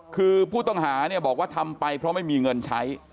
คือผู้ต้องหาเนี่ยบอกว่าทำไปเพราะไม่มีเงินใช้